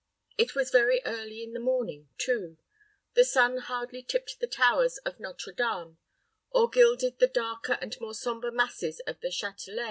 It was very early in the morning, too. The sun hardly tipped the towers of Nôtre Dame, or gilded the darker and more sombre masses of the Châtelet.